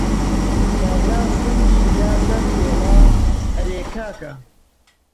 کابرا سنگی دا سەر تێڵا: ئەرێ کاکە!